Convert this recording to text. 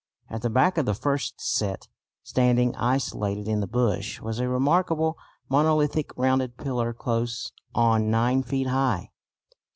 At the back of the first set, standing isolated in the bush, was a remarkable monolithic rounded pillar close on 9 feet high.